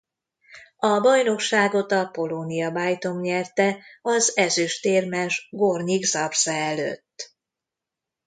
A bajnokságot a Polonia Bytom nyerte az ezüstérmes Górnik Zabrze előtt.